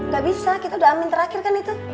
gak bisa kita udah amin terakhir kan itu